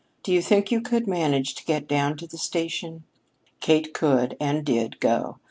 "Do you think you could manage to get down to the station?" Kate could and did go.